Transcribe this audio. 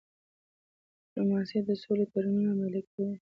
ډيپلوماسي د سولې تړونونه عملي کوي.